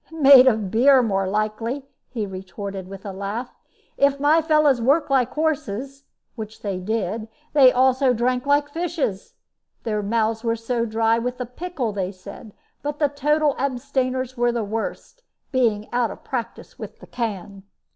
"Made of beer, more likely," he retorted, with a laugh. "If my fellows worked like horses which they did they also drank like fishes. Their mouths were so dry with the pickle, they said. But the total abstainers were the worst, being out of practice with the can.